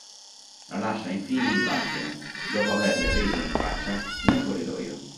La lascia infine in lacrime, dopo averle riso in faccia, nel corridoio.